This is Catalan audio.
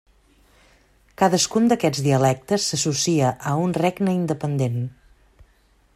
Cadascun d'aquests dialectes s'associa a un regne independent.